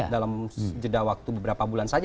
dalam jeda waktu beberapa bulan saja